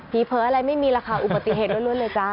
ผีเพ้ออะไรไม่มีละคะอุบัติเหตุเรื่อยเลยจ้ะ